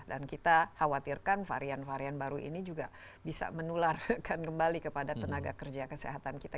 dan kita khawatirkan varian varian baru ini juga bisa menularkan kembali kepada tenaga kerja kesehatan kita